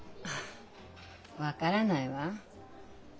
分からないわ。